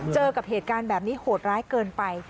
เจอกับเหตุการณ์แบบนี้โหดร้ายเกินไป